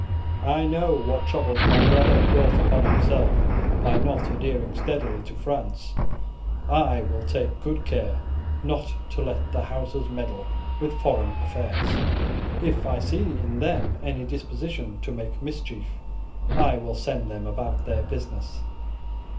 I know what troubles my brother brought on himself by not adhering steadily to France. I will take good care not to let the Houses meddle with foreign affairs. If I see in them any disposition to make mischief, I will send them about their business.